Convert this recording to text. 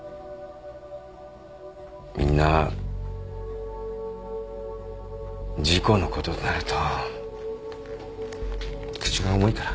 みんな事故のこととなると口が重いから。